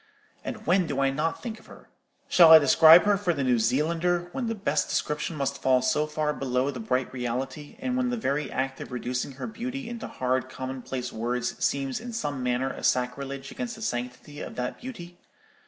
—and when do I not think of her? Shall I describe her for the New Zealander, when the best description must fall so far below the bright reality, and when the very act of reducing her beauty into hard commonplace words seems in some manner a sacrilege against the sanctity of that beauty?